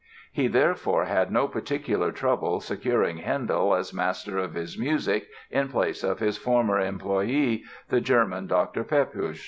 He, therefore, had no particular trouble securing Handel as master of his music in place of his former employee, the German Dr. Pepusch.